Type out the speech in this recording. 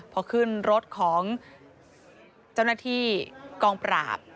พอขึ้นรถของเจ้าหน้าที่กองปราบ